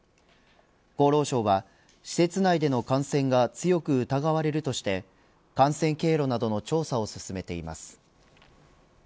厚労省は施設内での感染が強く疑われるとして感染経路などの調査を進めています。